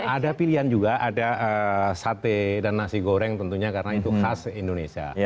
ada pilihan juga ada sate dan nasi goreng tentunya karena itu khas indonesia